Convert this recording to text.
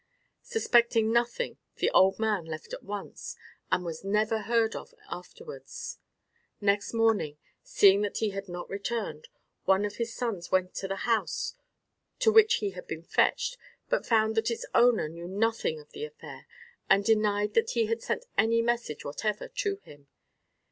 Suspecting nothing the old man left at once, and was never heard of afterwards. Next morning, seeing that he had not returned, one of his sons went to the house to which he had been fetched, but found that its owner knew nothing of the affair, and denied that he had sent any message whatever to him.